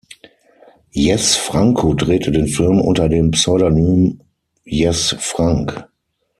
Jess Franco drehte den Film unter dem Pseudonym "Jess Frank".